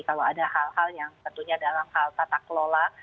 kalau ada hal hal yang tentunya dalam hal tata kelola